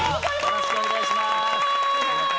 よろしくお願いします。